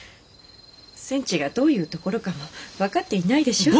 戦地がどういうところかも分かっていないでしょう。